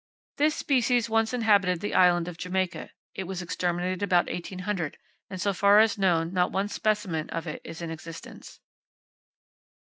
—This species once inhabited the Island of Jamaica. It was exterminated about 1800, and so far as known not one specimen of it is in existence.